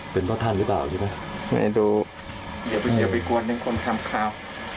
เป็นเพราะท่านหรือเปล่าใช่ไหมไม่เอ็นดูอย่าไปกวนถึงคนทำข่าว